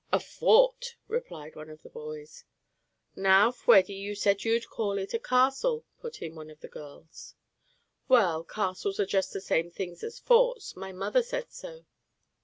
"A fort," replied one of the boys. "Now, Fweddy, you said you'd call it a castle," put in one of the girls. "Well, castles are just the same things as forts. My mother said so."